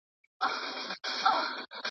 هغه امتيازات چي زمونږ دي د دوی هم دي.